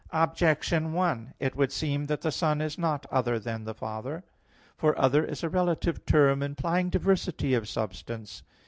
Objection 1: It would seem that the Son is not other than the Father. For "other" is a relative term implying diversity of substance.